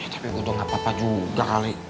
tapi gua udah enggak apa apa juga kali